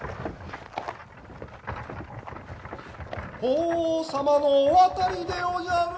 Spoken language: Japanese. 法皇様のおわたりでおじゃる！